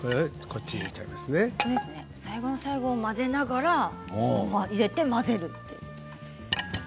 最後の最後も混ぜながら入れて混ぜる。